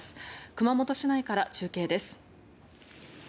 熊本市内から中継です。